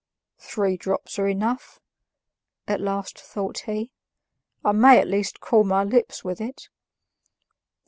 "Three drops are enough," at last thought he; "I may, at least, cool my lips with it."